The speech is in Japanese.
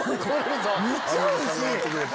めっちゃおいしい！